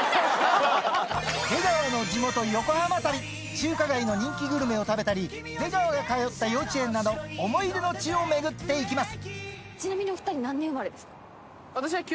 中華街の人気グルメを食べたり出川が通った幼稚園など思い出の地を巡って行きます